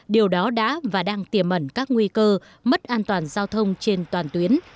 điều đó đã và đang tiềm ẩn các nguy cơ mất an toàn giao thông trên toàn tuyến